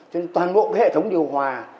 cho nên toàn bộ hệ thống điều hòa